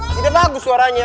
tidak bagus suaranya